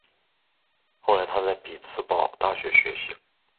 后来他在匹兹堡大学学习。